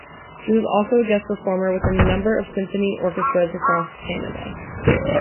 He also was a guest performer with a number of symphony orchestras across Canada.